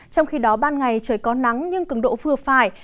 trong khi đó ban ngày trời có nắng nhưng cường độ vừa phải